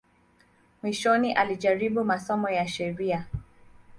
Mwishoni alijaribu masomo ya sheria.